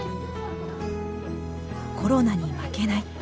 「コロナに負けない」。